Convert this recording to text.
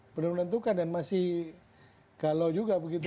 belum menentukan dan masih galau juga begitu